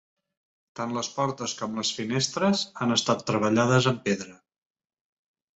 Tant les portes com les finestres han estat treballades amb pedra.